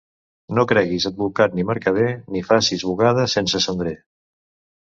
No creguis advocat ni mercader, ni facis bugada sense cendrer.